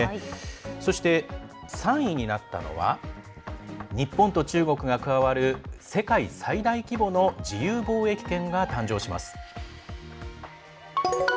そして、３位になったのは日本と中国が加わる世界最大規模の自由貿易圏が誕生します。